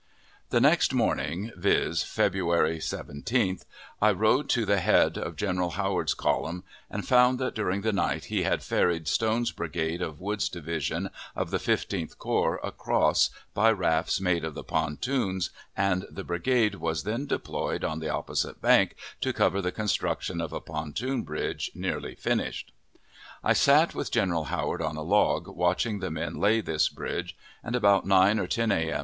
The next morning, viz., February 17th, I rode to the head of General Howard's column, and found that during the night he had ferried Stone's brigade of Woods's division of the Fifteenth Corps across by rafts made of the pontoons, and that brigade was then deployed on the opposite bank to cover the construction of a pontoon bridge nearly finished. I sat with General Howard on a log, watching the men lay this bridge; and about 9 or 10 A.M.